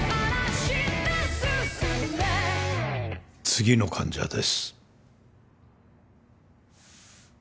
次の患者です。